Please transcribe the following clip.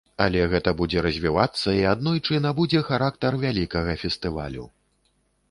Але гэта будзе развівацца, і аднойчы набудзе характар вялікага фестывалю.